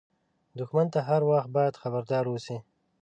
دښمن ته هر وخت باید خبردار اوسې